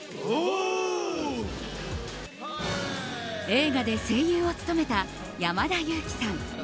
映画で声優を務めた山田裕貴さん